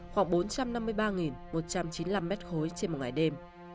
khoảng bốn trăm năm mươi ba một trăm chín mươi năm m ba trên một ngày đêm